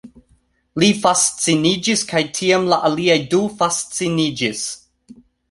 Li fasciniĝis kaj tiam la aliaj du fasciniĝis